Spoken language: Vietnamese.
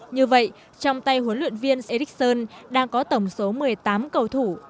như vậy trong tay huấn luyện viên ericsson đang có tổng số một mươi tám cầu thủ